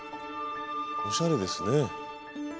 おしゃれですね。